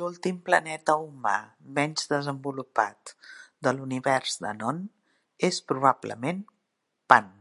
L'últim planeta humà menys desenvolupat de l'univers de Noon és probablement Pant.